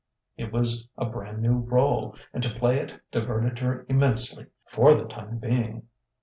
It was a brand new rôle, and to play it diverted her immensely for the time being....